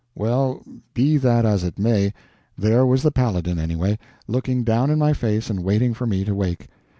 Well, be that as it may, there was the Paladin, anyway, looking down in my face and waiting for me to wake.